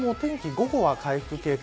午後は回復傾向。